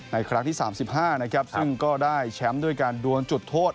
ครั้งที่๓๕นะครับซึ่งก็ได้แชมป์ด้วยการดวนจุดโทษ